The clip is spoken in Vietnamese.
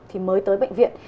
thì mới tới bệnh viện